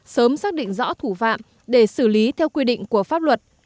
sớm xác định rõ thủ phạm để xử lý theo quy định của pháp luật